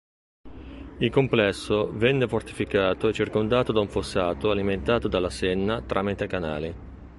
Il complesso venne fortificato e circondato da un fossato alimentato dalla Senna tramite canali.